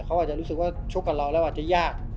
เขาอาจจะรู้สึกว่าชกกับเราแล้วอาจจะยาก